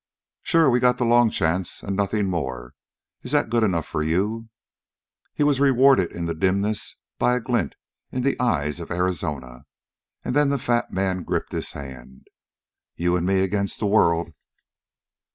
"Sure, we got the long chance, and nothing more. Is that good enough for you?" He was rewarded in the dimness by a glint in the eyes of Arizona, and then the fat man gripped his hand. "You and me agin' the world."